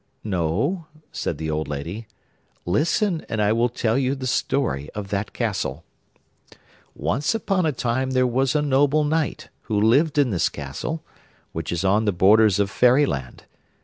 'No,' said the old lady. 'Listen, and I will tell you the story of that castle. 'Once upon a time there was a noble knight, who lived in this castle, which is on the borders of Fairyland.